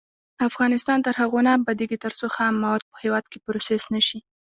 افغانستان تر هغو نه ابادیږي، ترڅو خام مواد په هیواد کې پروسس نشي.